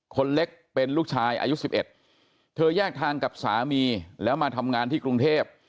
คนเล็กเป็นลูกชายอายุ๑๑เธอแยกทางกับสามีแล้วมาทำงานที่กรุงเทพ